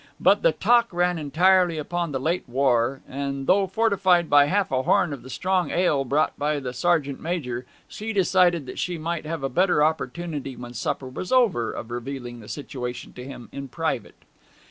But the talk ran entirely upon the late war; and though fortified by half a horn of the strong ale brought by the sergeant major she decided that she might have a better opportunity when supper was over of revealing the situation to him in private.